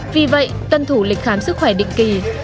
vì vậy tuân thủ lịch khám sức khỏe định kỳ